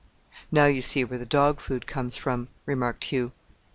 "Now you see where the dog food comes from," remarked Hugh.